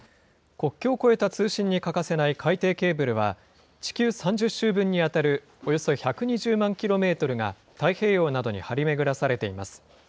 国境を越えた通信に欠かせない海底ケーブルは、地球３０周分に当たるおよそ１２０万キロメートルが太平洋などに張り巡らされています。